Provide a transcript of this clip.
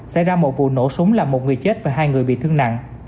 xảy ra một vụ nổ súng làm một người chết và hai người bị thương nặng